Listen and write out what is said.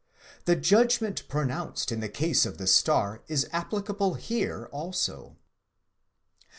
The judgment pronounced: in the case of the star is applicable here also.